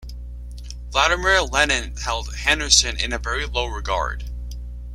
Vladimir Lenin held Henderson in very low regard.